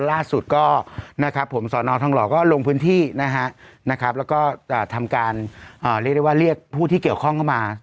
ล่าสุดก็นะครับผมสอนอทองหล่อก็ลงพื้นที่นะฮะแล้วก็ทำการเรียกได้ว่าเรียกผู้ที่เกี่ยวข้องเข้ามา